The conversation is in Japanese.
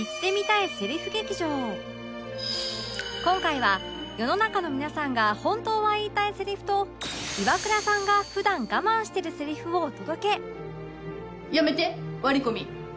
今回は世の中の皆さんが本当は言いたいセリフとイワクラさんが普段我慢してるセリフをお届け